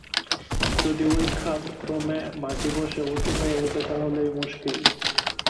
যদি ঐ খাদ ক্রমে মাটি বসে উঁচু হয়ে উঠে, তাহলেই মুশকিল।